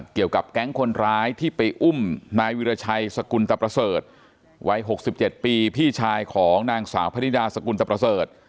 เกี่ยวกับแก๊งคนร้ายที่ไปอุ้มนายวิราชัยสกุลตะประเสริฐวัย๖๗ปีพี่ชายของนางสาวพนิดาสกุลตะประเสริฐ